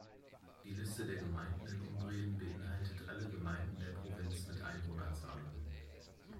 Die Liste der Gemeinden in Umbrien beinhaltet alle Gemeinden der Provinz mit Einwohnerzahlen.